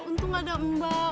untung gak ada mbak